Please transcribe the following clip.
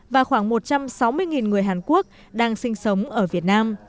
và khoảng một trăm sáu mươi người hàn quốc đang sinh sống ở việt nam